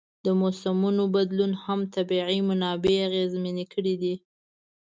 د موسمونو بدلون هم طبیعي منابع اغېزمنې کړي دي.